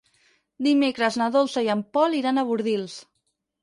Dimecres na Dolça i en Pol iran a Bordils.